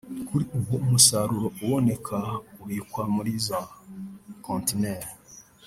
Kuri ubu umusaruro uboneka ubikwa muri za kontineri